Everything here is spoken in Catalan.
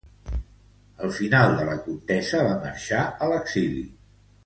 Al final de la contesa, va marxar a l'exili.